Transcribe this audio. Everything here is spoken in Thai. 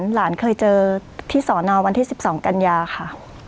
หลานเคยเจอที่สอนอวันที่๑๒กันยาค่ะ